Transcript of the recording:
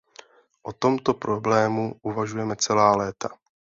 O tomto problému uvažujeme celá léta.